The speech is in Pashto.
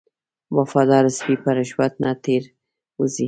وفادار سپی په رشوت نه تیر وځي.